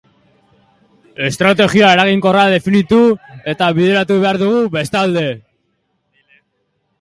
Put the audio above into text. Estrategia eraginkorra definitu eta bideratu behar dugu bestalde.